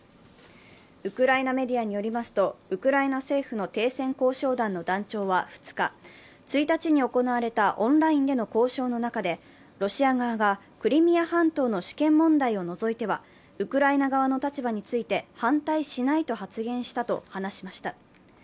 ウクライナメディアによりますと、ウクライナ政府の停戦交渉団の団長は２日、１日に行われたオンラインでの交渉の中でロシア側がクリミア半島の主権問題を除いてはウクライナ側の立場について反対しないと発言したと話しました。